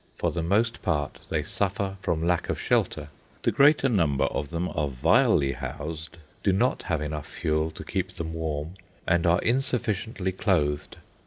For the most part, they suffer from lack of shelter. The greater number of them are vilely housed, do not have enough fuel to keep them warm, and are insufficiently clothed.